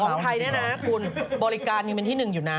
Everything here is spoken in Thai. ของใครเนี่ยนะคุณบริการเป็นที่หนึ่งอยู่น้ำ